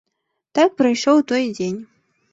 Так прайшоў той дзень.